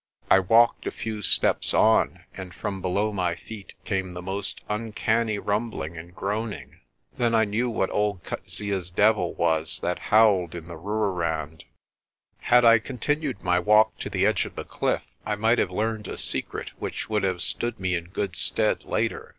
I walked a few steps on, and from below my feet came the most uncanny rumbling and groaning. Then I knew what old Coetzee's devil was that howled in the Rooirand. Had I continued my walk to the edge of the cliff, I might have learned a secret which would have stood me in good stead later.